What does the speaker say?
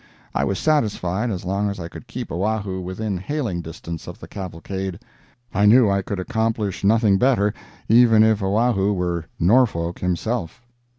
I was satisfied as long as I could keep Oahu within hailing distance of the cavalcade—I knew I could accomplish nothing better even if Oahu were Norfolk himself.